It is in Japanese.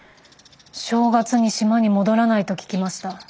正月に島に戻らないと聞きました。